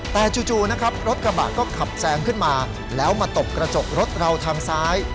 แต่จู่นะครับรถกระบะก็ขับแซงขึ้นมาแล้วมาตบกระจกรถเราทางซ้าย